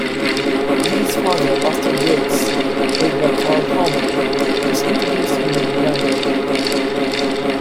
Dean's father Buster Briggs, played by Karl Howman, was introduced in mid November.